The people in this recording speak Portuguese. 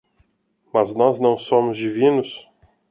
Mas nós não somos divinos?